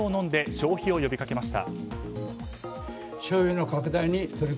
消費を呼びかけました。